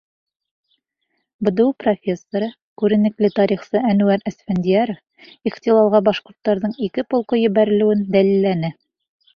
БДУ профессоры, күренекле тарихсы Әнүәр Әсфәндиәров ихтилалға башҡорттарҙың ике полкы ебәрелеүен дәлилләне.